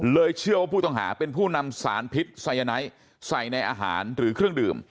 เชื่อว่าผู้ต้องหาเป็นผู้นำสารพิษไซยาไนท์ใส่ในอาหารหรือเครื่องดื่ม